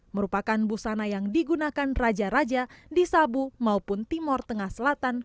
merupakan busana yang digunakan raja raja di sabu maupun timur tengah selatan